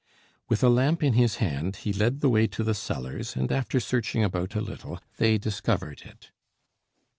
With a lamp in his hand, he led the way to the cellars, and after searching about a little they discovered it.